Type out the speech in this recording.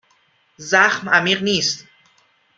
زخم عمیق نیست.